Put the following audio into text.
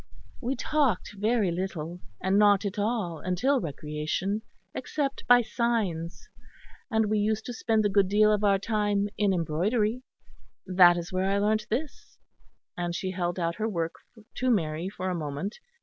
We talked very little; not at all until recreation; except by signs, and we used to spend a good deal of our time in embroidery. That is where I learnt this," and she held out her work to Mary for a moment.